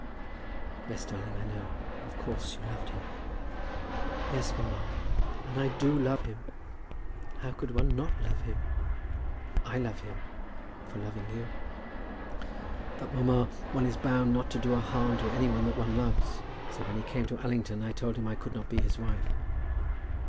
"Yes, darling, I know. Of course you loved him." "Yes, mamma. And I do love him. How could one not love him?" "I love him, for loving you." "But, mamma, one is bound not to do a harm to any one that one loves. So when he came to Allington I told him that I could not be his wife."